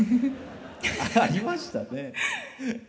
ありましたね。